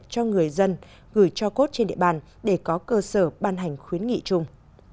cho người dân gửi cho cốt trên địa bàn để có cơ sở ban hành khuyến nghị chung